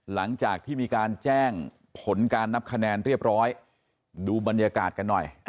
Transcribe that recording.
หลังจากที่มีการแจ้งผลการนับคะแนนเรียบร้อยดูบรรยากาศกันหน่อย